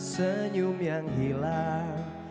senyum yang hilang